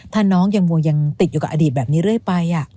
ถ้าน้องยังมัวยังติดอยู่กับอดีตแบบนี้เรื่อยไป